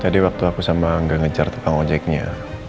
jadi waktu aku sama angga ngejar tukang ojeknya